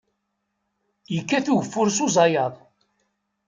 Yekkat ugeffur s uzayaḍ.